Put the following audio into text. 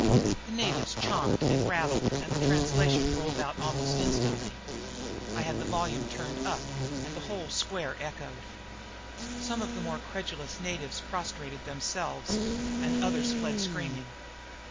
The natives chomped and rattled and the translation rolled out almost instantly. I had the volume turned up and the whole square echoed. Some of the more credulous natives prostrated themselves and others fled screaming.